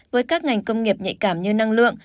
với các ngành công nghiệp nhạy cảm như năng lượng